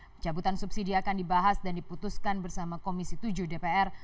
pencabutan subsidi akan dibahas dan diputuskan bersama komisi tujuh dpr